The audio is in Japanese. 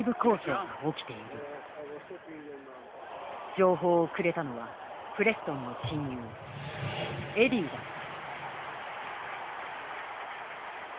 情報をくれたのはプレストンの親友エディだった。